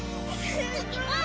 すごーい！